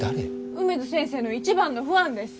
梅津先生の一番のファンです。